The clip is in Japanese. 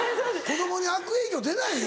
子供に悪影響出ない？